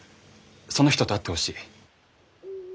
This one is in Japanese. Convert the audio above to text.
その人と会ってほしい。